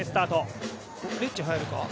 レッジ入るか？